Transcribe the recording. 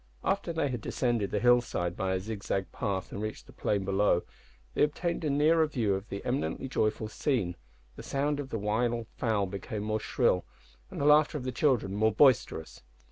After they had descended the hill side by a zigzag path, and reached the plain below, they obtained a nearer view of the eminently joyful scene, the sound of the wild fowl became more shrill, and the laughter of the children more boisterous.